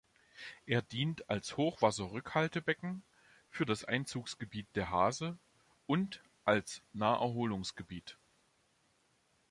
Er dient als Hochwasserrückhaltebecken für das Einzugsgebiet der Hase und als Naherholungsgebiet.